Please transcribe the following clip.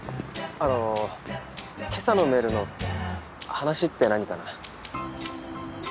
あの今朝のメールの話って何かな？